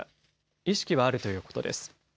意識はあるということです。